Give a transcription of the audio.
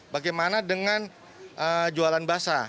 bagaimana dengan jualan basah